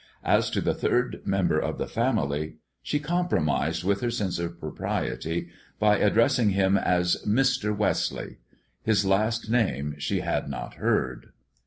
As to the third member of the family, she compromised with her sense of propriety by addressing him as "Mr. Wesley." His last name she had not heard.